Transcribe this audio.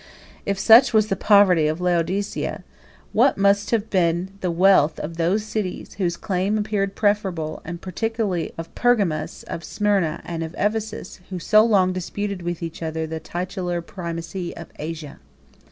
82 If such was the poverty of Laodicea, what must have been the wealth of those cities, whose claim appeared preferable, and particularly of Pergamus, of Smyrna, and of Ephesus, who so long disputed with each other the titular primacy of Asia?